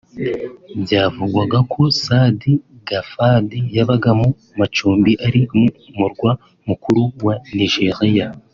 Byavugwaga ko Saadi Gaddafi yabaga mu macumbi ari mu murwa mukuru wa Niger